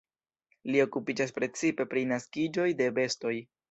Li okupiĝas precipe pri naskiĝoj de bestoj.